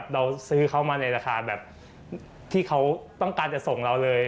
เราซื้อเขามาในราคาแบบที่เขาต้องการจะส่งเราเลย